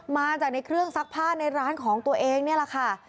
มาจากในเครื่องซักผ้าในร้านของตัวเองนี่แหละค่ะ